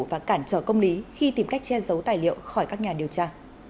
và cản trở công lý khi tìm cách che giấu tài liệu khỏi các nhà điều tra